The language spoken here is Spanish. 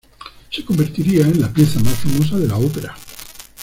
Se convertiría en la pieza más famosa de la ópera.